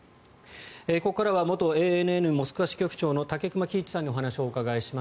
ここからは元ＡＮＮモスクワ支局長の武隈喜一さんにお話をお伺いします。